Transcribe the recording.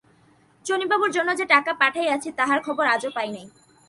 চুনীবাবুর জন্য যে টাকা পাঠাইয়াছি, তাহার খবর আজও পাই নাই।